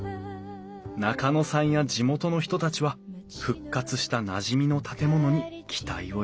中野さんや地元の人たちは復活したなじみの建物に期待を寄せている。